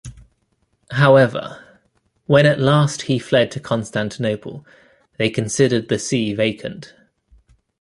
However, when at last he fled to Constantinople they considered the see vacant.